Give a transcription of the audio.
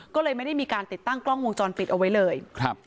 ก็เลยไม่ได้มีการติดตั้งกล้องวงจรปิดเอาไว้เลยครับ